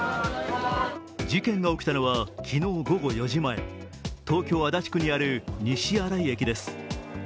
事件が起きたのは昨日午後４時前東京・足立区にある西新井駅です。